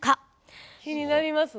気になりますね。